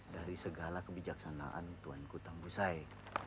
dari segala kebijaksanaan tuan kutambu saya